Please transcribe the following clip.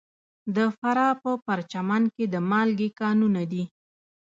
د فراه په پرچمن کې د مالګې کانونه دي.